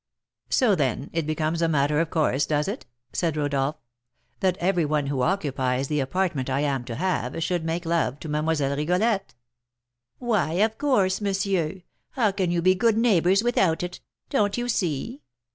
"So, then, it becomes a matter of course, does it," said Rodolph, "that every one who occupies the apartment I am to have should make love to Mlle. Rigolette?" "Why, of course, monsieur; how can you be good neighbours without it, don't you see?